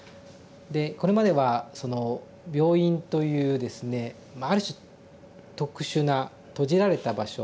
でこれまではその病院というですねある種特殊な閉じられた場所